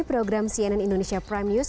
program cnn indonesia prime news